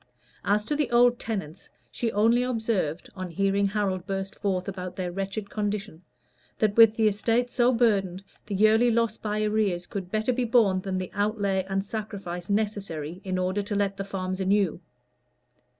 As to the old tenants, she only observed, on hearing Harold burst forth about their wretched condition, "that with the estate so burdened, the yearly loss by arrears could better be borne than the outlay and sacrifice necessary in order to let the farms anew."